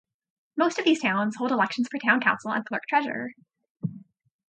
Most of these towns hold elections for Town Council and Clerk-Treasurer.